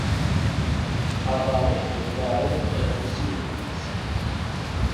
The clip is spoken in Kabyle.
Aḍar-ik d uḍar-iw afus-iw deg ufus-ik.